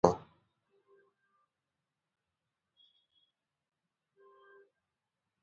دا پروپاګند دومره عام شو چې تقریباً یقین شو.